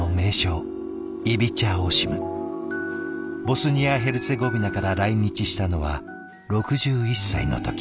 ボスニア・ヘルツェゴビナから来日したのは６１歳の時。